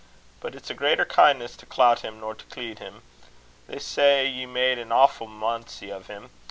But its a greater kin'ness to clout him nor to cleed him. They say ye made an awfu' munsie o' him.